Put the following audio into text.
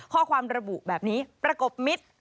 ข้อความระบุแบบนี้ประกบมิตร